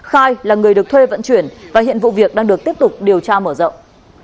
khai là người được thuê vận chuyển và hiện vụ việc đang được tiếp tục điều tra mở rộng